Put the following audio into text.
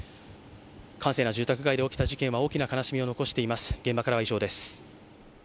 閑静な住宅街で起きた事件は大きな悲しみを残しています。